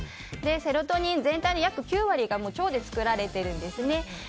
セロトニンは全体の約９割が腸で作られているんですね。